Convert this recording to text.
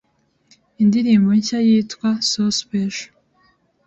indirimbo nshya yitwa So Special